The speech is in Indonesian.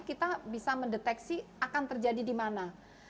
kita bisa mendeteksi akan terjadi di mana